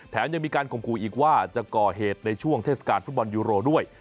ยังมีการข่มขู่อีกว่าจะก่อเหตุในช่วงเทศกาลฟุตบอลยูโรด้วย